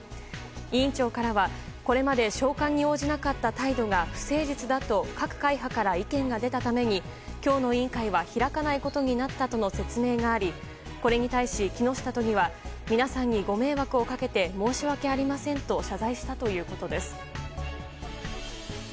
委員長からは、これまで召喚に応じなかった態度が不誠実だと各会派から意見が出たために今日の委員会は開かないことになったとの説明がありこれに対し、木下都議は皆さんにご迷惑をかけて申し訳ありませんと謝罪したということです。